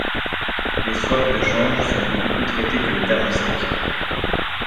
Les swaps de change sont beaucoup plus traités que le terme sec.